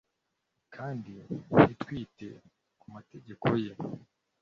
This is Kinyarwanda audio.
kandi ntitwite ku mategeko ye ?